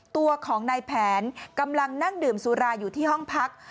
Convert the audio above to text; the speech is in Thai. ตัวของนายแผนกำลังนั่งดื่มสุราอยู่ที่ห้องพัก